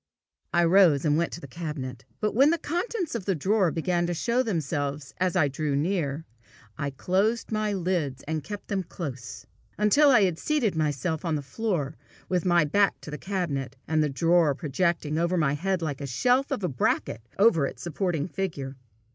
I rose, and went to the cabinet. But when the contents of the drawer began to show themselves as I drew near, "I closed my lids, and kept them close," until I had seated myself on the floor, with my back to the cabinet, and the drawer projecting over my head like the shelf of a bracket over its supporting figure.